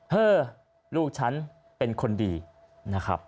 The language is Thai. เออลูกฉันเป็นคนดีนะครับ